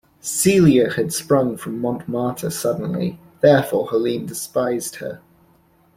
Celia had sprung from Montmartre suddenly; therefore Helene despised her.